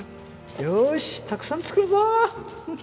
よーしたくさん作るぞー